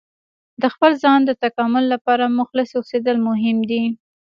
د خپل ځان د تکامل لپاره مخلص اوسیدل مهم دي.